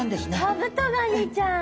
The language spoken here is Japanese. カブトガニちゃん！